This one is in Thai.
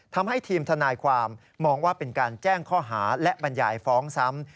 ทำให้ทีมทนายความมองว่าเป็นการแจ้งข้อหาและบรรยายฟ้องซ้ำ